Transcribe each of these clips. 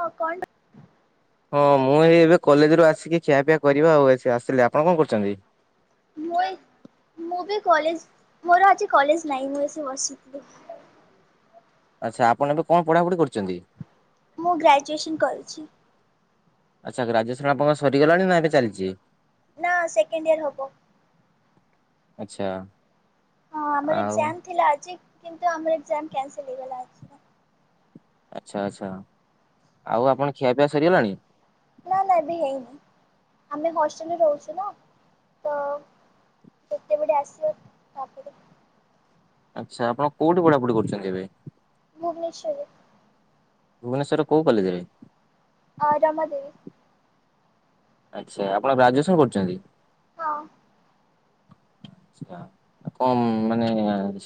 ହଁ। [unintelligible] ହଁ ମୁଁ ଏଇ ଏବେ କଲେଜରୁ ଆସିକି ଖିଆପିଆ କରିବା, ଆଉ ଆସିଲେ ଆପଣ କଣ କରୁଛନ୍ତି? ମୁଁ ଏଇ ମୁଁ ବି କଲେଜ ମୋର ଆଜି କଲେଜ ନାହିଁ ମୁଁ ଏ ବସିଥିଲି। ଆଚ୍ଛା ଆପଣ ଏବେ କଣ ପଢ଼ାପଢ଼ି କରିଛନ୍ତି? ମୁଁ ଗ୍ରାଜୁଏସନ୍ କରୁଛି। ଆଚ୍ଛା ଗ୍ରାଜୁଏସନ୍ ଆପଣଙ୍କ ସରିଗଲାଣି ନା ଏବେ ଚାଲିଛି? ନା ସେକେଣ୍ଡ ଇୟର ହବ। ଆଚ୍ଛା। ହଁ ଆମର ଆଉ ଏକ୍ସାମ୍ ଥିଲା ଆଜି କିନ୍ତୁ ଆମର ଏକ୍ସମ୍ କ୍ୟାନସଲ ହେଇଗଲା ଆଜି। ଆଚ୍ଛା ଆଚ୍ଛା ଆଉ ଆପଣ ଖିଆପିଆ ସରିଗଲାଣି? ନା ନା ଏବେ ହେଇନି ଆମେ ହଷ୍ଟେଲରେ ରହୁଛୁ ନା। ତ କେତେବେଳେ ଆସିବ ତାପରେ ଆଚ୍ଛା ଆପଣ କେଉଁଠି ପଢ଼ାପଢ଼ି କରୁଛନ୍ତି ଏବେ? ଭୁବନେଶ୍ୱରରେ। ଭୁବନେଶ୍ୱର କୋଉ କଲେଜରେ? ଅ ରମା ଦେବୀ। ଆଚ୍ଛା ଆପଣ ଗ୍ରାଜୁଏସନ୍ କରୁଛନ୍ତି? ହଁ। ଆ କମ ମାନେ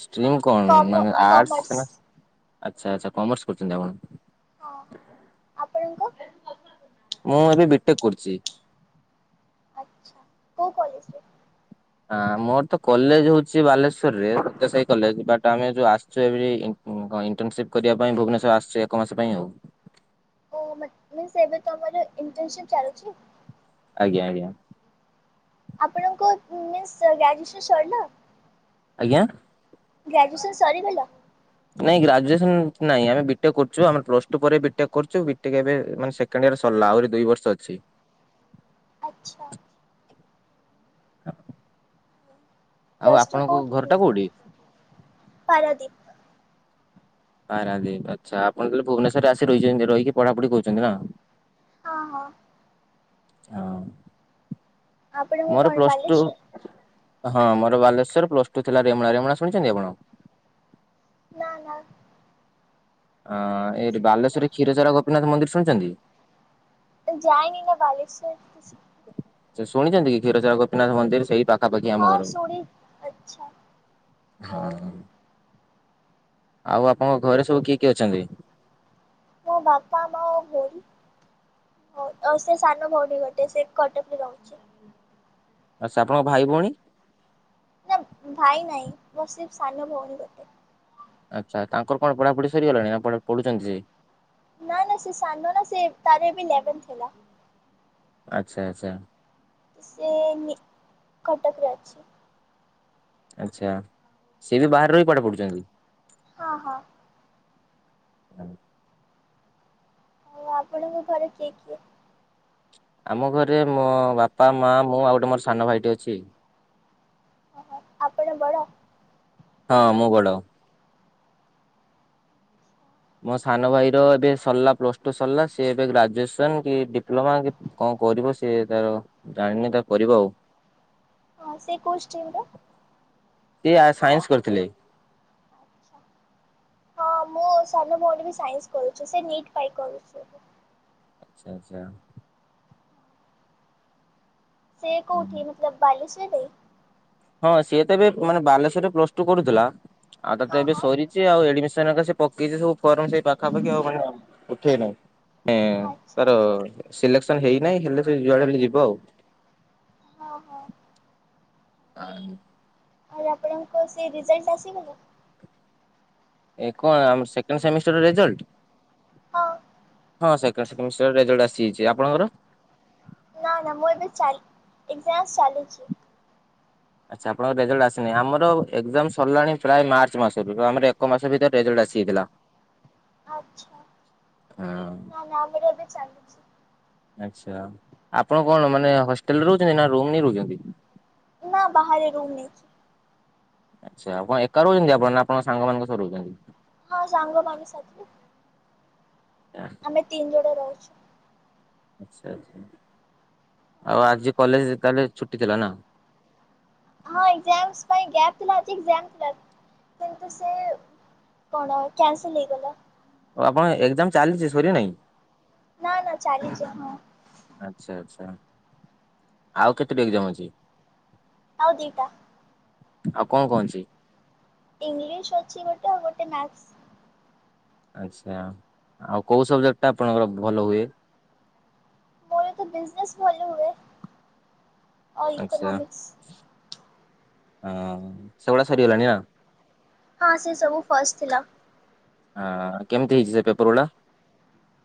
ଷ୍ଟ୍ରିମ୍ କଣ କମ ମାନେ କମର୍ସ ଆର୍ଟ୍ସ ନା ଆଚ୍ଛା ଆଚ୍ଛା କମର୍ସ କରୁଛନ୍ତି ଆପଣ। ହଁ ହଁ ଆପଣଙ୍କ? ମୁଁ ଏବେ ବିଟେକ୍ କରୁଛି। ଆଚ୍ଛା, କୋଉ କଲେଜରେ? ହଁ ମୋର ତ କଲେଜ ହଉଛି ବାଲେଶ୍ୱରରେ ସତ୍ୟ ସାଇ କଲେଜ, ବଟ ଆମେ ଯୋଉ ଆସିଛୁ ଏ ହଁ କଣ ଇଣ୍ଟର୍ନସିପ କରିବା ପାଇଁ ଭୁବନେଶ୍ୱର ଆସୁଛି ଏକ ମାସ ପାଇଁ ଆଉ। ଓ ଏବେ ମନେ ତମର ଇଣ୍ଟର୍ନସିପ ଚାଲୁଛି? ଆଜ୍ଞା ଆଜ୍ଞା। ଆପଣଙ୍କ ମିନ୍ସ ଗ୍ରାଜୁଏସନ୍ ସରିଲା। ଆଜ୍ଞା। ଗ୍ରାଜୁଏସନ୍ ସରିଗଲା। ନାଇଁ ଗ୍ରାଜୁଏସନ ନାଇଁ ଆମେ ବିଟେକ୍ କରୁଛୁ ଆମର ପ୍ଲସ୍ ଟୁ ପରେ ବିଟେକ୍ କରୁଚୁ ବିଟେକ୍ ଏବେ ସେକେଣ୍ଡ ୟର ସରିଲ ଆହୁରି ଦୁଇ ବର୍ଷ ଅଛି। ଆଚ୍ଛା। [unintelligible] ଆଉ ପ୍ଲସ ଟୁ ଆପଣଙ୍କ କୋଉଠି ଘରଟା ଥିଲା କୋଉଠି? ପାରାଦୀପ। ପାରାଦୀପ ଆଚ୍ଛା ଆପଣ ତାହେଲେ ଭୁବନେଶ୍ୱରରେ ଆସି ରଛନ୍ତି ରହିକି ପଢାଢିୁଛନ୍ତି ନା? ହଁ ହଁ। ଆଉ। ଆପଣଙ୍କ ମୋର କଣ ପ୍ଲସ୍ ଟୁ ବାଲେଶ୍ଵର? ହଁ ମୋର ବାଲେଶ୍ୱର ପ୍ଲସ୍ ଟୁ ଥିଲା ରେମୁଣା, ରେମଣା ଶୁଣିଛନ୍ତି ଆପଣ? ନା ନା। ଅଁ ଏଠି ବାଲେଶ୍ଵରରେ କ୍ଷୀରଚୋରା ଗୋପୀନାଥ ମନ୍ଦିର ଶୁଣୁଛନ୍ତି? ଯାଇନି ନା ବାଲେଶ୍ୱର। ସେ ଶୁଣିଛନ୍ତି କି କ୍ଷୀରଚର ଗୋପୀନାଥ ମନ୍ଦର ସେଇ ପାଖ ପାାପାଖି ଆମ ହଁ ଘର ଶୁଣି ଆଚ୍ଛା ହଉ ହଁ। ହଉ। ଆଉ ଆପଣଙ୍କ ଘରେ ସବୁ କିଏ କିଏ ଅଛନ୍ତି? ମୁଁ ବାପା ମୋ ବୋଉ। ହଉ ଆଉସେ ସାନ ଭଉଣୀ ଗୋଟେ ସେକଟକରେ ରହୁଚି। ଆଚ୍ଛା ଆପଣଙ୍କ ଭାଇ ଭଉଣ? ନା ଭାଇ ନାହିଁ ବାସ୍ ସେସାନୁ ଭଉଣୀ ଗୋଟେ। ଆଚ୍ଛା ତାଙ୍କର କଣ ପଢ଼ାପଢ଼ି ସରିଗଲାଣି ନାପଢୁଛନ୍ତି ସେ? ନା ନା ସେସାନନା ସେ ତାର ଏବେ ଲେବେଲ୍ ଥିଲା। ଆଚ୍ଛା ଆଚ୍ଛା। ତ ସିଏ ନି କଟକରେ ଅଛି। ଆଚ୍ଛା ସିଏବି ବାହରେରହି ପାଠ ପଢ଼ୁଚନ୍ତି? ହଁ ହଁ। ଆଉ ଆପଣଙ୍କ ଘରେ କିଏ କିଏ? ଆମ ଘରେ ମୋ ବାପା ମା ମୁଁ ଆଉ ଗୋଟେ ମୋର ସାନ ଭାଇଟେ ଅଛି। ଓହୋ ଆପଣ ବଡ଼? ହଁ ମୁଁ ବଡ଼। ମୋ ସାନ ଭାଇର ଏବେ ସରିଲା ପ୍ଲସ୍ ଟୁ ସରିଲା ସିଏଏବେ ଗ୍ରାଜୁଏସନ୍ କି ଡିପ୍ଲୋମା କି କଁ କରିବ ସିଏ ତାର ଜାଣିନି ତାର କରିବ ଆଉ। ହଁ ସେ କୋଉଷ୍ଟିଲିର? ସିଏ ଆ ସାଇନ୍ସ କରିଥିଲେ। ଆଚ୍ଛା। ହଁ ମୁଁ ସାନ ଭଉଣୀବି ସାଇନ୍ସ କରୁଚି ସେ ନିଟ୍ ପାଇଁ କରୁଚି। ଆଚ୍ଛା ଆଚ୍ଛା। ସେ ହୁଁ। କଉଠି ମତଲବ ବାଲେଶ୍ୱରରେ? ହଁ ସିଏତ ଏବେ ମାନେ ବାଲେଶ୍୍ୱରରେ ପ୍ଲସ୍ ଟୁ କରୁଥିଲା ଆଉ ତତେ ହଁ ଏବେ ହଁ ସରିଚି ଆଉ ଏଡ଼େମିସନ୍ ପକେଇଛି ସବୁ ଫର୍ମ ସେଇ ପାଖାପାଖି ଆଉମାନେ ଉଠେନେଇଁ ଏ ଆଚ୍ଛା ତାର ଆଚ୍ଛା। ସିଲେକ୍ସନ୍ ହେଇନାହିଁ ହେଲେସେ ଯୁଆଡ଼େ ହେଲେ ଯିବ ଆଉ। ହଁ ହଁ। [unintelligible] ଆଉ ଆପଣଙ୍କ ସେରେଜଲ୍ଟ ଆସିଗଲା? ଏକ ସେଣ୍ଟେର ସେମିଷ୍ଟାର ରେଜଲ୍ଟ? ହଁ। ହଁ ସେଖେଣ୍ଡ ସେମିଷ୍ଟାର୍ ରେଜଲ୍ଟ ଆସିଯାଇଚି ଆପଣଙ୍କର? ନା ନା ମୁଁ ଏବେ ଚାଲି ଏଗ୍ଜାମସ୍ ଚାଲିଚି। ଆଚ୍ଛା ଆପଣଙ୍କ ରେଜଲ୍ଟ ଆସିନାହିଁ ଆମର ଏଗ୍ଜାମ୍ ସରିଲାଣି ପ୍ରାୟ ମାର୍ଚ ମାସରେ ଆମର ଏକ ମାସ ଭିତରେ ରେଜଲ୍ଟ ଆସିଯାଇଥିଲା। ଆଚ୍ଛା ହଁ ନା ନା ଆମର ଏବେ ଚାଲିଚି। ଆଚ୍ଛା ଆପଣ କଣ ମାନେ ହଷ୍ଟେଲ୍ ରହୁଚନ୍ତି ନାଁ ରୁମ୍ ନେଇ ରହୁଚନ୍ତି? ନା ବାହାରେ ରୁମ୍ ନେଇଛି। ଆଚ୍ଛା ଆପଣ ଏକା ରହୁଚନ୍ତି ଆପଣ ନାଆପଣ ସାଙ୍ଗମାନଙ୍କ ସହ ରହୁଚନ୍ତି? ହଁ ସାଙ୍ଗମାନେ ସାଥିରେ। [unintelligible] ଆମେ ତିନି ଜଣ ରହୁଛୁ। ଆଚ୍ଛା ଆଚ୍ଛା ଆଉ ଆଜି କଲେଜ୍ ତାହେଲେ ଛୁଟି ଥିଲାନା? ହଁ ଏଗ୍ଜାମ ପାଇଁ ଗ୍ୟାପ୍ ଥିଲା ଆଜି ଏଗ୍ଜାମ୍ କିନ୍ତୁସେ କଣ କ୍ୟାନସଲ ହେଇଗଲା। ଓ ଆପଣଙ୍କ ଏକ୍ଜାମ୍ ଚାଲିଚି ସରିନାଇଁ? ନା ନା ଚାଲିଚି ହଁ। ଆଚ୍ଛା ଆଚ୍ଛା ଆଉ କେତେଟି ଏଗ୍ଜାମ୍ ଅଛି? ଆଉ ଦଇଟା। ଆଉ କଁ କଁ ଅଛି? ଇଂଲିଶ ଅଛି ଗୋଟେ ଆଉ ଗୋଟେ ମ୍ୟାଥ୍। ଆଚ୍ଛା ଆଉ କୋଉ ସବଜେକ୍ଟଟା ଆପଣଙ୍କର ଭଲ ହୁଏ? ମୋରତ ବିଜନେସ୍ ଭଲ ହୁଏ। ଆଉ ଆଚ୍ଛା ଇକୋନୋମିକ୍ସ। ହଁ ସେଗୁଡ଼ା ସରିଗଲାଣିନା? ହଁ ସେସବୁ ଫାଷ୍ଟ୍ ଥିଲା। ହଁ କେମିତି ହେଇଚି ସେପେପର ଗୁଡ଼ା?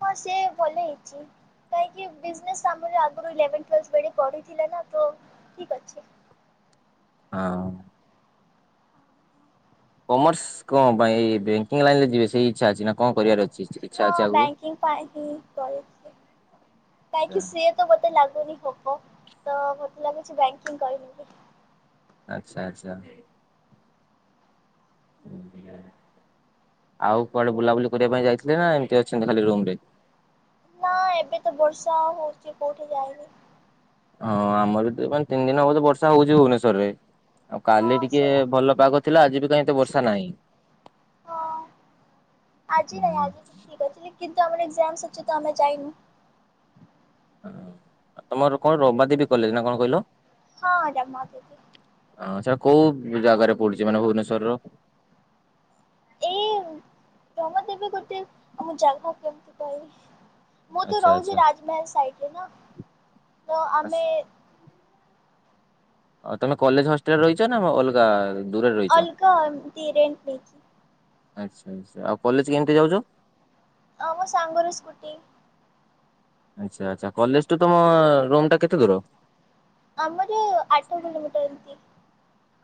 ହଁ ସିଏ ଭଲ ହେଇଚି। କାହିଁକି ବିଜିନେସ୍ ଆମର ଆଗରୁ ଲେବନ୍ କ୍ଲାସ୍ ବେଳେ ପଡ଼ିଥିଲେନା ତୋ ଠିକ୍ ଅଛି। ହଁ। କମର୍ସ କଁ ପାଇଁ ବ୍ୟାଙ୍କିଙ୍ଗ ଲାଇନରେ ଯିବେ ସେଇ ଇଚ୍ଛା ଅଛି ନା କଁ କରିବାର ଅଛି ଆକ୍ଚୁଲି? ହଁ ବ୍ୟାଙ୍କିଙ୍ଗ ପାଇକି [unintelligible] କାହିକି ସେ ତ ମତେ ଲାଗୁନି ହବ ତମତେ ଲାଗୁଚି ବ୍ୟାଙ୍କିଙ୍ଗ କରିନେବି। ଆଚ୍ଛା ଆଚ୍ଛା। ଆଉ କୁଆଡ଼େ ବୁଲାବୁଲି କରିବା ପାଇଁ ଯାଇଥିଲେନା ଏମିତି ଅଛନ୍ତି ଖାଲି ରୁମରେ? ନା ଏବେତ ବର୍ଷା ହଉଚି କୋଉଠି ଯାଇନି ହଁ ଆମରବି ମାନେ ତିନି ଦିନ ହବ ବର୍ଷା ହଉଚି ଭୁବନେଶ୍ୱରରେ ଆଉ କାଲି ହଁ ଟିକେ ସେୟା ଭଲ ପାଗ ଥିଲା ଆଜିବି କାହିଁ ଏତେ ବର୍ଷାନାହିଁ। ହଁ ଆଜି ନାଇଁ ଆଜି ଠିକ୍ ଅଛି କିନ୍ତୁ ଆମର ଏକ୍ଜାମ୍ ଅଛିତ ଆମେ ଯାଇନୁ। ହଁ ଆତମର କଁ ରମାଦିବି କଲେଜ୍ ନାକଣ କହିଲ? ହଁ ରମାଦେବି। ହଁ ସେଟା କୋଉ ଜାଗାରେ ପଡ଼ୁଚି ମାନେ ଭୁବନେଶ୍ଵରର? ଏଇ ରମାଦେବୀ ଗୋଟେ ଆମ ଜାଗା କେମିତି କହିବି। ମୁଁ ତ ଆଚ୍ଛା ଆଚ୍ଛା। ରହୁଚି ରାଜମେହଲ ସାଇଟିରେନା ତଆମେ ଆଉ ତମେ କଲେଜ୍ ହଷ୍ଟେଲରେ ରହିଚନା ଅଲଗା? ଦୂରରେ ରହିଛ? ଅଲଗା ଏମିତି ରେଣ୍ଟ ନେଇଚି। ଆଚ୍ଛା ଆଚ୍ଛା ଆଉ କଲେଜ୍ କେମିତି ଯାଉଚ? ହଁ ମୋସାଙ୍ଗରୁ ସ୍କୁଟି। ଆଚ୍ଛା ଆଚ୍ଛା କଲେଜେଠୁ ତମ ରୁମଟା କେତେ ଦୂର? ଆମର ଆଠ କିଲୋମିଟର୍ ଏମିତି।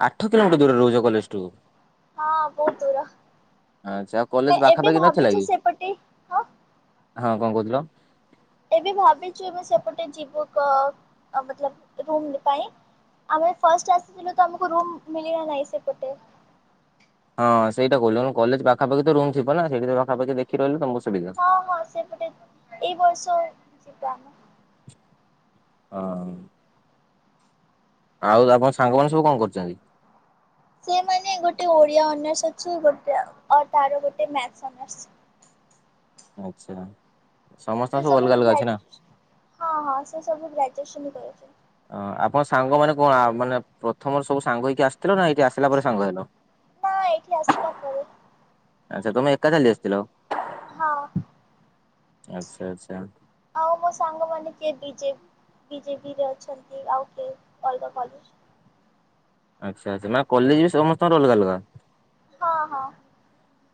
ଆଠ କିଲୋମିଟର୍ ଦୂରରେ ରହୁଚ କଲେଜଠୁ? ହଁ ବହୁତ୍ ଦୂର ଆଚ୍ଛା ଆଉ କଲେଜ ଏବେ ପାଖାପାଖି ଭାବିଚୁ ସେପଟେ ଆଁ ଆଉ କଁ କହୁଥିଲ? ଏବେ ଭାବିଚି ଏବେ ସେପଟେ ଯିବୁ କ ମତଲବ ରୁମ୍ ପାଇଁ। ଆମେ ଫାଷ୍ଟ ଆସିଥିଲୁ ତଆମକୁ ରୁମ୍ ମିଳିଲା ନାହିଁ ସେପଟେ। ହଁ ସେଇଟା କହୁଥିଲି କଲେଜ୍ ପାଖାପଖରେତ ରୁମ୍ ଥିବନା ସେଇଠି ପାଖାପଖି ଦେଖିକି ରହିଲେ ତମକୁ ସୁବିଧା। କମ୍ ଆସେ ଗୋଟେ ଏଇ ବର୍ଷ ଯିବା ଆମେ। ହଁ। ଆଉ ଆପଣଙ୍କ ସାଙ୍ଗମାନେ ସବୁ କଣ କରୁଚନ୍ତି? ସେମାନେ ଗୋଟେ ଓଡ଼ିଆ ଅନର୍ସ ଅଛି ଗୋଟେ ତାର ଗୋଟେ ମ୍ୟାଥ୍ ଅନର୍ସ ଆଚ୍ଛା ସେ ସମସ୍ତଙ୍କର ସବୁ ଅଲଗା ଅଲଗା ଅଛିନା? ଗ୍ରାଜୁ ହଁ ହଁ ସେସବୁ ଗ୍ରାଜୁଏସନ୍ କରୁଛି। ହଁ ଆପଣ ସାଙ୍ଗମାନେ କଣ ମାନେ ପ୍ରଥମର ସବୁ ସାଙ୍ଗ ହେଇକି ଆସିଥିଲନା ଏଇଠି ଆସିଲା ପରେ ସାଙ୍ଗ ହେଲ? ନା ଏଇଠି ଆସିଲା ପରେ। ଆଚ୍ଛା ତମେ ଏକା ଚାଲି ଆସିଥିଲ। ହଁ। ଆଚ୍ଛା ଆଚ୍ଛା। ଆଉ ମୋ ସାଙ୍ଗ ମାନେ କିଏ ବିଜେ ବିଜେପିରେ ଅଛନ୍ତି ଆଉ କିଏ ଅଲଗା କଲେଜ। ଆଚ୍ଛା ଆଚ୍ଛା ନା କଲେଜ ବି ସମସ୍ତଙ୍କର ଅଲଗା ଅଲଗା। ହଁ ହଁ।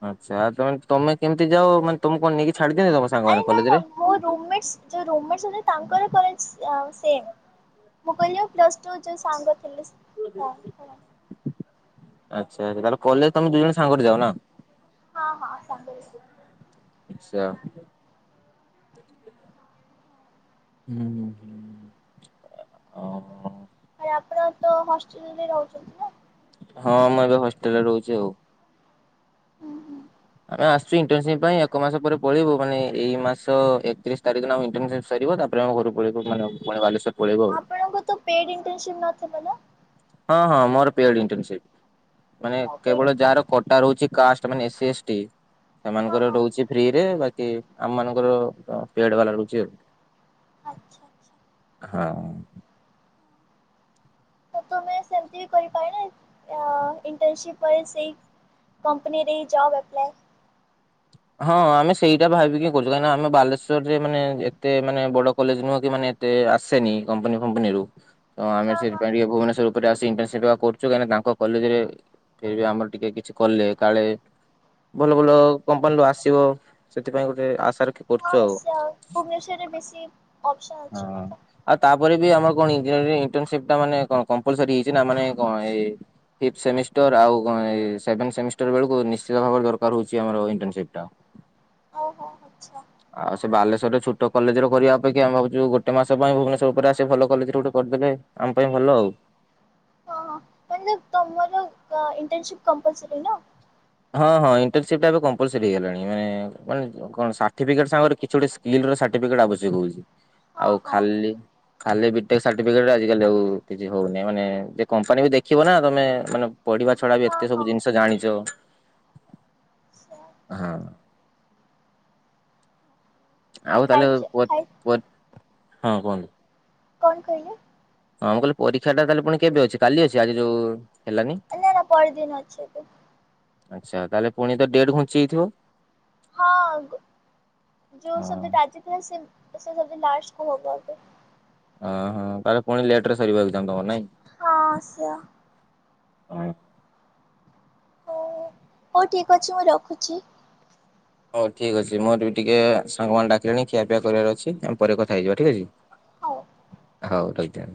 ଆଚ୍ଛା ଆ ତମେ ତମେ କେମିତି ଯାଅ ମାନେ ତମକୁ କଣ ନେଇକି ଛାଡ଼ିଦିଅନ୍ତି ତମ ଆରେ ସାଙ୍ଗମାନେ ନା ନା କଲେଜରେ। ମୋ ରୁମ୍ ମେଟ୍ସ ଯୋଉ ରୁମ୍ ମେଟ୍ସ ଅଛନ୍ତି ତାଙ୍କର କଲେଜ ଆ ସେମ୍। ମୁଁ କହିଲି ଆଉ ପ୍ଲସ୍ ଟୁ ଯୋଉ ସାଙ୍ଗ ଥିଲୁ ହଁ ହଁ। ଆଚ୍ଛା ତାହଲେ କଲେଜ ତମେ ଦୁ ଜଣ ସାଙ୍ଗରେ ଯାଉ ନା? ହଁ ହଁ ସାଙ୍ଗରେ। ଆଚ୍ଛା। ହୁଁ ହୁଁ। ଓ ଆରେ ଆପଣ ତ ହଷ୍ଟେଲରେ ବି ରହୁଛନ୍ତି ନା? ହଁ ମୁଁ ଏବେ ହଷ୍ଟେଲରେ ରହୁଚି ଆଉ। ହୁଁ ହୁଁ ଆମେ ଆସିଛୁ ଇଣ୍ଟନସିପ୍ ପାଇଁ ଏକ ମାସ ପରେ ପଳେଇବୁ ମାନେ ଏଇ ମାସ ଏକତିରିଶ ତାରିଖ ଦିନ ଆମ ଇଣ୍ଟନସିପ୍ ସରିବ ତାପରେ ଆମେ ଘରକୁ ପଳେଇବୁ ମାନେ ପୁଣି ବାଲେଶ୍ଵର ପଳେଇବୁ ଆଉ। ଆପଣଙ୍କୁ ତ ପେଡ଼ ଇଣ୍ଟନସିପ୍ ନ ଥିବ ନା? ହଁ ହଁ ମୋର ଇଣ୍ଟନସିପ୍ ମାନେ ଓ ପେଡ୍ କେବଳ ଯାହାର କୋଟା ରହୁଚି କାଷ୍ଟ ମାନେ ଏସ୍ ଏସ୍ଟି ହଁ ସେମାନଙ୍କର ହଁ ରହୁଚି ଫ୍ରିରେ ବାକ ବାକି ଆମ ମାନଙ୍କର ପେଡ୍ ବାଲ ଲହୁଚି ଆଉ। ଆଚ୍ଛା ଆଚ୍ଛା। ହଁ। ତ ତମେ ସେମିତି ବି କରିପାର ନା ଆଁ ଇଣ୍ଟନସିପ୍ ପରେ ସେଇ କମ୍ପନୀରେ ଇ ଜବ୍ ଆପ୍ଲାଏ। ହଁ ଆମେ ସେଇଟା ଭାବିକି କରଚୁ କାହିଁକିନା ଆମେ ବାଲେଶ୍ୱରରେ ମାନେ ଏତେ ମାନେ ବଡ କଲେଜ ନୁହଁ କି ମାନେ ଏତେ ଆସେନି କମ୍ପାନୀ ଫମ୍ପାନୀରୁୁ ତ ଆମେ ହଁ ହଁ ସେଥିପାଇଁ ଟିକେ ଭୁବନେଶ୍ୱର ଉପରେ ଆସିକି ଇଣ୍ଟନସିପ୍ କରୁଚୁ କାହିଁକି ନା ତାଙ୍କ କଲେଜରେ କିଏ ବି ଆମର ଟିକେ କିଛି କଲେ କାଳେ ଭଲ ଭଲ କମ୍ପାନୀରୁୁ ଆସିବ ସେଥିପାଇଁ ଗୋଟେ ଆଶା ରଖି କରୁଚୁ ଆଉ। [unintelligible] ଭୁବନେଶ୍ୱରରେ ବେଶୀ ଅପସନ୍ ଅଛି ହଁ। ନା ତ ଆଉ ତାପରେ ବି ଆମର କଣ ଇଜୟ ଇଣ୍ଟନସିପ୍ ଟା ମାନେ କଣ କମ୍ପଲସରି ହେଇଛି ନା ମାନେ କଣ ଏଇ ଫିପ୍ଥ ସେମିଷ୍ଟର ଆଉ କଣ ଏଇ ସେଭେନ୍ ସେମିଷ୍ଟର ବେଳକୁ ନିଶ୍ଚିତ ଭାବରେ ଦରକାର ହୋଉଚି ଆମର ଇଣ୍ଟର୍ନସିପ୍ ଟା। ହଉ ହଉ [unintelligible] ଆଚ୍ଛା। ଆଉ ସେ ବାଲେଶ୍ୱରରେ ଛୁଟ କଲେଜରେ କରିବା ଅପେକ୍ଷା ଆମେ ଭାବୁ ଚୁ ଗୋଟେ ମାସ ପାଇଁ ଭୁବନେଶ୍ୱର ଉପରେ ଆସି ଭଲ କଲେଜରେ ଗୋଟେ କରିଦେଲେ ଆମ ପାଇଁ ଭଲ ଆଉ। ହଁ ହଁ ମାନେ ତମର କ ଇଣ୍ଟର୍ନସିିପ୍ କମ୍ପଲସରି ନା? ହଁ ହଁ ଇଣ୍ଟର୍ନସିପ୍ ଟା ଏବେ କମ୍ପଲସରି ହେଇଗଲାଣି ମାନେ ମାନେ କଣ ସାର୍ଟିଫିକେଟ [inaudible] କିଛି ଗୋଟେ ସ୍କିଲ ସାର୍ଟିଫିକେଟ ଆବଶ୍ୟକ ହଉଚି ହଁ ଆଉ ହଁ ଖାଲି ଖାଲି ବି ଟେକ୍ ସାର୍ଟିଫିକେଟ ରେ ଆଜି କାଲି ଆଉ କିଛି ହଉନି ମାନେ ସେ କମ୍ପାନୀ ବି ଦେଖିବ ନା ତମେ ମାନେ ପଢିବା ଛଡା ବି ହଁ ଏତେ ସବୁ ହଁ ଜିନିଷ ଜାଣିଚ। ହଁ। ଆଉ ତାହେଲେ ଖାଇଛ ଖାଇ [unintelligible] ହଁ କୁହନ୍ତୁ? କଣ କହିଲେ? ହଁ ମୁଁ କହିଲି ପରୀକ୍ଷା ଟା ତାହେଲେ ପୁଣି କେବେ ଅଛି କାଲି ଅଛି ଆଜି ଯୋଉ ହେଲାନି? ନା ନା ପରଦିନ ଅଛି ଏଟି। ଆଚ୍ଛା ତାହେଲେ ପୁଣି ତ ଡେଟ୍ ଘୁଞ୍ଚି ଯାଇଥିବ? ହଁ ଯୁ ହଁ ସବଜେକ୍ଟ ଆଜି ଥିଲା ସେ ସବ ଲାଷ୍ଟ କୁ ହବ ହଁ ହଁ ତାହେଲେ ପୁଣି ଲେଟ ରେ ସରିବାକୁ ଏକଜାମ୍ ତମର ନା କି? ହଁ ଆସିବା। ଉଁ। ହୁଁ ହଉ ଠିକ୍ ଅଛି ମୁଁ ରଖୁଛି। ହଉ ଠିକ୍ ଅଛି ମୋର ବି ଟିକେ ସାଙ୍ଗମାନେ ଡାକିଲେଣି ଖିଆପିଆ କରିବାର ଅଛି ଆମ ପରେ କଥା ହେଇଯିବା ଠିକ ଅଛି? ହଉ। ହଉ ଆଜ୍ଞା।